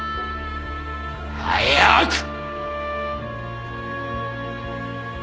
早く！